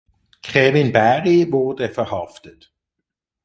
Kevin Barry wurde verhaftet.